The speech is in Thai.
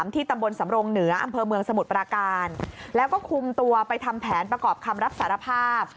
ที่ตำบลสำรงเหนืออำเภอเมืองสมุทรปราการแล้วก็คุมตัวไปทำแผนประกอบคำรับสารภาพ